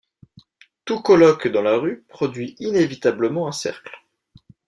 Tout colloque dans la rue produit inévitablement un cercle.